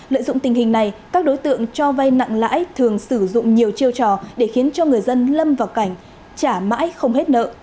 lợi dụng tình hình này các đối tượng cho vay nặng lãi thường sử dụng nhiều chiêu trò để khiến cho người dân lâm vào cảnh trả mãi không hết nợ